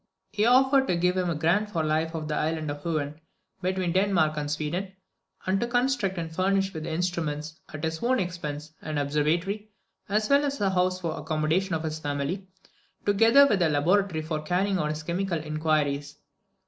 He offered to give him a grant for life of the island of Huen, between Denmark and Sweden, and to construct and furnish with instruments, at his own expense, an observatory, as well as a house for the accommodation of his family, together with a laboratory for carrying on his chemical inquiries.